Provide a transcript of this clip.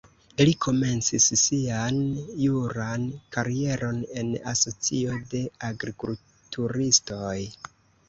Li komencis sian juran karieron en asocio de agrikulturistoj.